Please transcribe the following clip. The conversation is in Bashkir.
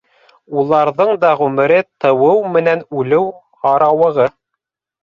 Уларҙың да ғүмере тыуыу менән үлеү арауығы.